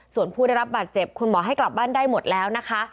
ส่วนผู้ได้รับบาดเจ็บคุณหมอให้กลับบ้านได้หมดแล้วนะคะ